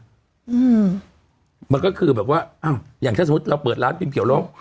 อืมมันก็คือแบบว่าอ้าวอย่างถ้าสมมุติเราเปิดร้านพิมพ์เขียวแล้ว